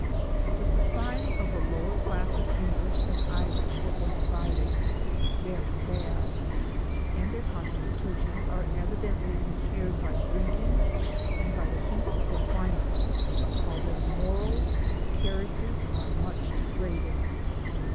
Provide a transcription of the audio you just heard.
The soknety of the lower class of English and Irish at Buenos Aires is very bad, and their con* stitutions are evidently impaired by drinking, and by the heat of the climate, while their morals and characters are much degraded.